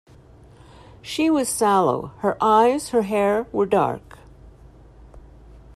She was sallow; her eyes, her hair, were dark.